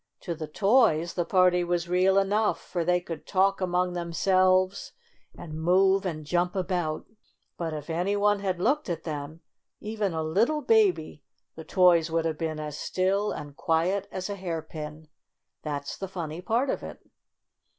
To the toys the party was real enough, for they could talk among themselves, and move and jump about. But if any one had looked at them, even a little baby, the toys would have been as still and quiet as a hairpin. That's the funny part of it.